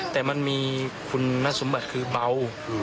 แต่มันมีคุณสมบัติคือเบา